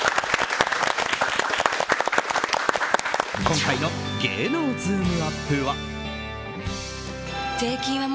今回の芸能ズームＵＰ！は。